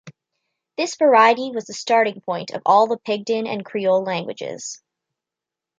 This variety was the starting point of all the pidgin and creole languages.